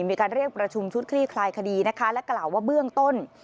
มีการเรียกประชุมชุดคลี่คลายคดีนะคะและกล่าวว่าเบื้องต้น